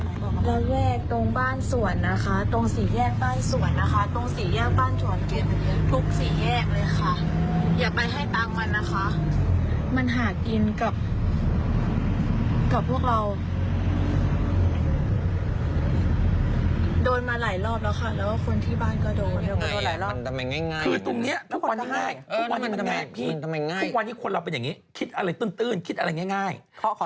รถแรกตรงบ้านสวนนะคะตรงสี่แยกบ้านสวนนะคะ